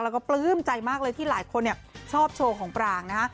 แล้วก็ปลื้มใจมากเลยที่หลายคนชอบโชว์ของปรางนะฮะ